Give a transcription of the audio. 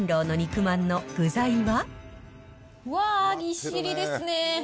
うわぁ、ぎっしりですね。